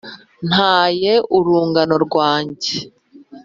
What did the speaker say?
ntaye urungano rwanjye